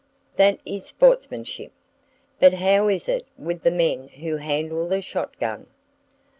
[Page 145] That is Sportsmanship! But how is it with the men who handle the shot gun?